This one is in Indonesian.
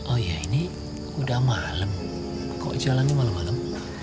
oh iya ini udah malem kok jalannya malem malem